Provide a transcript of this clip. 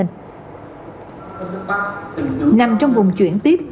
nằm trong vùng chuyển tiếp